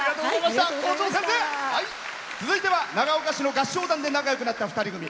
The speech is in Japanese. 続いては長岡市の合唱団で仲よくなった２人組。